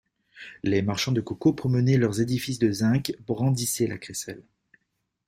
Les marchands de coco promenaient leurs édifices de zinc, brandissaient la crécelle.